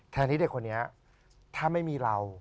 แทนที่เด็กคนนี้ถ้าไม่มีเรา